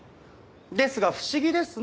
ですが不思議ですね